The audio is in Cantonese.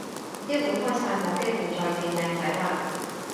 啲會開晒冇機會再見靚仔嘞